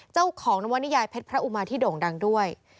เจ้าของนวนิยายเพชรพระอุมาที่โด่งดังด้วย